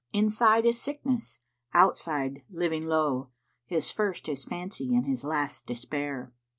Inside is sickness, outside living lowe, * His first is fancy and his last despair."